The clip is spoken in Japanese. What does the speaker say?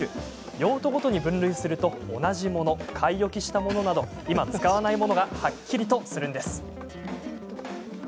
用途ごとに分類すると同じもの、買い置きしたものなど今、使わないものがはっきりとするんです。